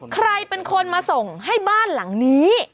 ใครเป็นคนมาส่งให้บ้านหลังนี้